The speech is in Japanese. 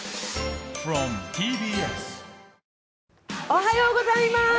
おはようございます！